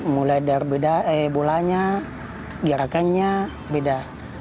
mulai dari beda bolanya gerakannya beda